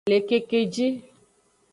Le kekeji.